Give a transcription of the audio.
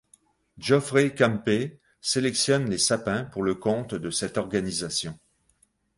Geoffrey Campé sélectionne les sapins pour le compte de cette organisation.